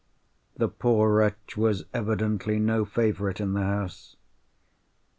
The poor wretch was evidently no favourite in the house.